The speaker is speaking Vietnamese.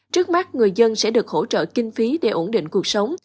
trước mắt người dân sẽ được hỗ trợ kinh phí để ổn định cuộc sống